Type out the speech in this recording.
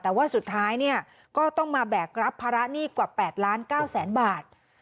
แต่ว่าสุดท้ายเนี่ยก็ต้องมาแบกรับภาระหนี้กว่า๘ล้าน๙แสนบาท